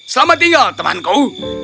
selamat tinggal temanku